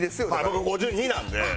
僕５２なんで。